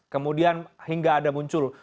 kemudian hingga ada muncul